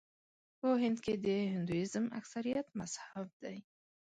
په هند کې د هندويزم اکثریت مذهب دی.